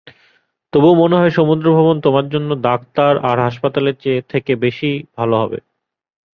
তবুও মনে হয় সমুদ্র ভ্রমণ তোমার জন্য ডাক্তার আর হাসপাতালের থেকে বেশি ভালো হবে।